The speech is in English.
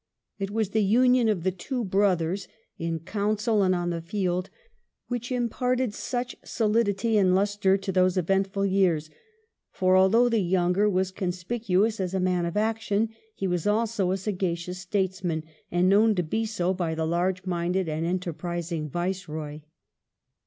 It was the union of the two brothers, in council and on the field, which imparted such solidity and lustre to those eventful years ; for although the younger was conspic uous as a Man of Action, he was also a sagacious statesman, and known to be so by the large minded and enterprising Viceroy.